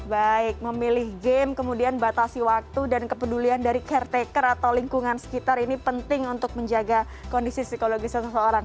baik memilih game kemudian batasi waktu dan kepedulian dari caretaker atau lingkungan sekitar ini penting untuk menjaga kondisi psikologis seseorang